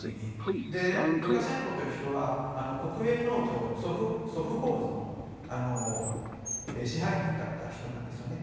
ルカシェンコという人は国営農場ソフホーズの支配人だったわけなんですね。